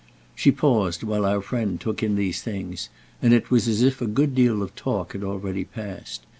She paused while our friend took in these things, and it was as if a good deal of talk had already passed.